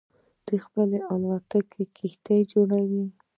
دوی خپله الوتکې او کښتۍ جوړوي.